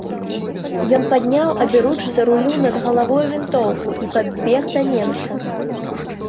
Ён падняў аберуч за рулю над галавою вінтоўку і падбег да немца.